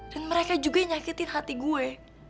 dan mereka juga nyakitin hati gue